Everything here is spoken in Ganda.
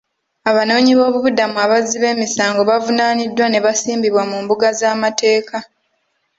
Abanoonyi boobubudamu abazzi b'emisango baavunaaniddwa ne basimbibwa mu mbuga z'amateeka.